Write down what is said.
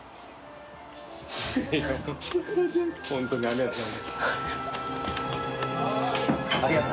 ありがとう。